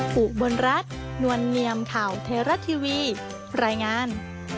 โปรดติดตามตอนต่อไป